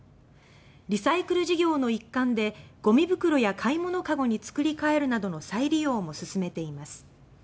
リサイクル事業の一環でゴミ袋や買い物かごに作り変えるなどの再利用も進めています。